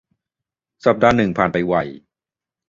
สัปดาห์หนึ่งผ่านไปไว